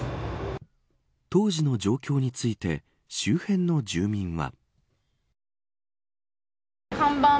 当時の状況について周辺の住民は。